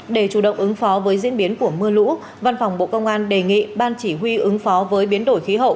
để chủ động ứng phó với diễn biến của mưa lũ văn phòng bộ công an đề nghị ban chỉ huy ứng phó với biến đổi khí hậu